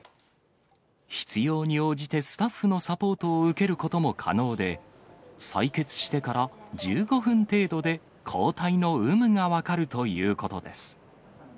必要に応じてスタッフのサポートを受けることも可能で、採血してから１５分程度で抗体の有無が分かるということです。